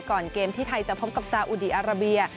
ก่อนเกมที่ไทยจะพบกับซาอุดีอาราเบีย